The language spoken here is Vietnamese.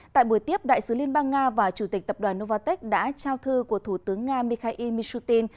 tại buổi tiếp đại sứ liên bang nga và chủ tịch tập đoàn novartek đã trao thư của thủ tướng nga mikhail mishutin